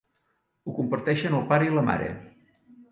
Ho comparteixen el pare i la mare.